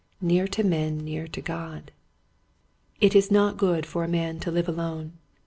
Near to Men Near to God, It is not good for a man to live alone.